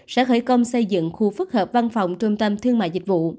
sẽ khởi công xây dựng khu phức hợp văn phòng trung tâm thương mại dịch vụ